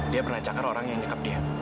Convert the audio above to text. dia pernah cakar orang yang nyekap dia